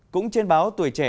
cũng trên báo tùy trẻ